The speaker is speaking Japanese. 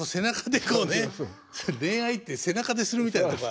恋愛って背中でするみたいなとこが。